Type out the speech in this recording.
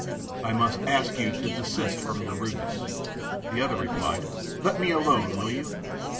I must ask you to desist from your rudeness." The other replied: "Let me alone, will you!"